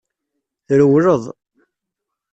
Trewled.